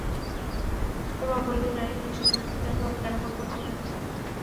তবে অপরাধী নারী হলে শুধু আর্থিক দণ্ড হবে, কারাভোগ করতে হবে না।